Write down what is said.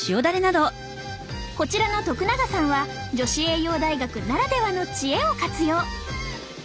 こちらの徳永さんは女子栄養大学ならではの知恵を活用！